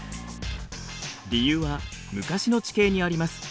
理由は昔の地形にあります。